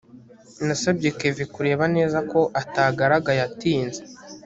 nasabye kevin kureba neza ko atagaragaye atinze